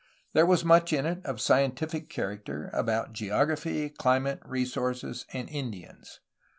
There was much in it of scientific character about geography, climate, resources, and Indians.